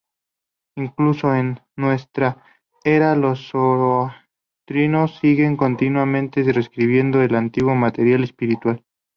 Incluso en nuestra era, los zoroastrianos siguen continuamente reescribiendo el antiguo material espiritual.